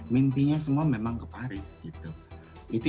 mimpinya semua memang ke paris gitu